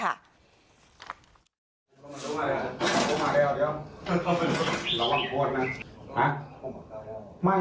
เอาเป้า